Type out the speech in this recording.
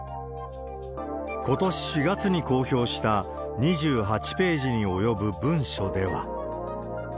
ことし４月に公表した２８ページに及ぶ文書では。